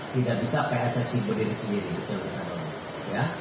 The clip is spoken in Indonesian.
tidak bisa pssi berdiri sendiri